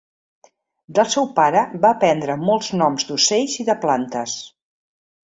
Del seu pare va aprendre molts noms d’ocells i de plantes.